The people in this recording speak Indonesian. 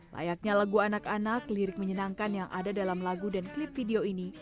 layaknya lagu anak anak lirik menyenangkan yang ada dalam lagu dan klip video ini